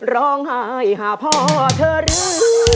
ร้องไห้หาพ่อเธอรู้